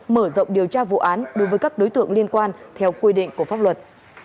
mở rộng điều tra vụ án đối với các đối tượng liên quan theo quy định của pháp luật